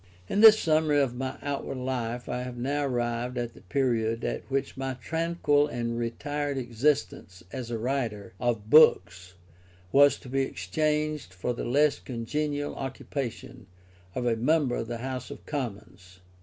In this summary of my outward life I have now arrived at the period at which my tranquil and retired existence as a writer of books was to be exchanged for the less congenial occupation of a member of the House of Commons.